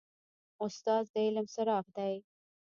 استاد د علم څراغ دی.